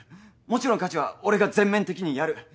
もちろん家事は俺が全面的にやる。